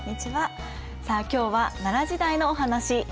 さあ今日は奈良時代のお話。